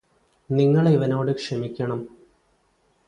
നിങ്ങളിവനോട് ക്ഷമിക്കണം